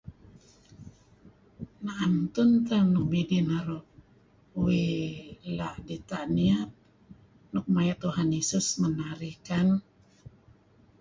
Na'em tun teh nuk midih naru' uih la' dita' niyat nuk maya' Tuhan Yesus men narih kan?